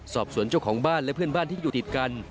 สอบสวนเจ้าของบ้านและเพื่อนบ้านที่อยู่ติดกัน